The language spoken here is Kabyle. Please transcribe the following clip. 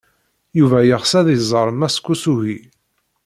Yuba yeɣs ad iẓer Mass Kosugi.